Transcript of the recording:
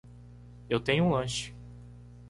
Eu tenho um lanche